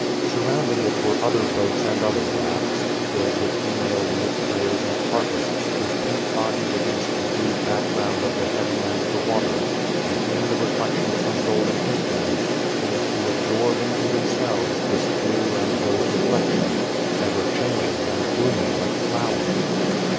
Surrounding it were other boats and other rafts, filled with female lute players and harpists whose pink bodies against the blue back ground of the heaven and the waters, and in the reflections from golden instruments seemed to al58orb into themselves this blue and those reflections, ever changing apd blooming like flowers.